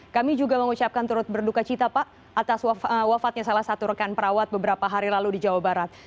kami juga mengucapkan turut berduka cita pak atas wafatnya salah satu rekan perawat beberapa hari lalu di jawa barat